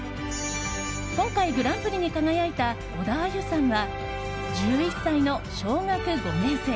今回グランプリに輝いた小田愛結さんは１１歳の小学５年生。